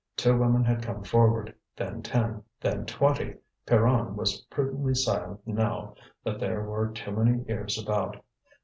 Two women had come forward, then ten, then twenty. Pierronne was prudently silent now that there were too many ears about.